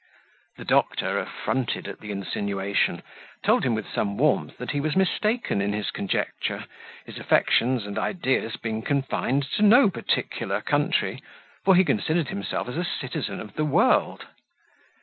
The doctor, affronted at the insinuation, told him with some warmth that he was mistaken in his conjecture, his affections and ideas being confined to no particular country; for he considered himself as a citizen of the world.